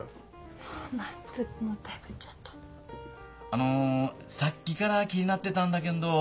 あのさっきから気になってたんだ